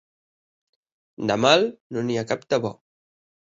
De mal, no n'hi ha cap de bo.